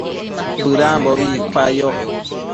bëdambobi icpayoc